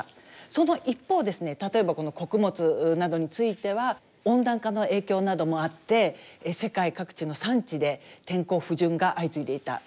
その一方ですね例えばこの穀物などについては温暖化の影響などもあって世界各地の産地で天候不順が相次いでいた。